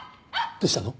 どうしたの？